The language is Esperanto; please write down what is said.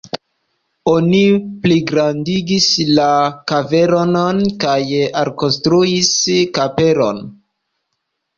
Oni pligrandigis la kavernon kaj alkonstruis kapelon.